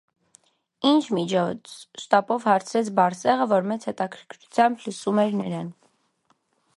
- Ի՞նչ միջոց,- շտապով հարցրեց Բարսեղը, որ մեծ հետաքրքրությամբ լսում էր նրան: